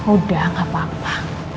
udah gak papa